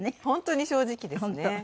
本当に正直ですね。